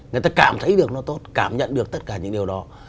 người ta cảm thấy được nó tốt cảm nhận được tất cả những điều đó